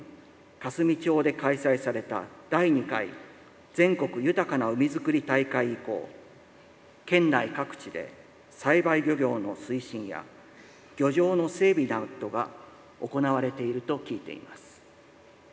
香住町で開催された第２回全国豊かな海づくり大会以降県内各地で栽培漁業の推進や漁場の整備などが行われていると聞いています。